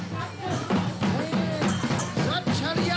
จังหวังเจ็ดชะบุรี